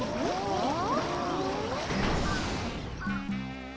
ああ。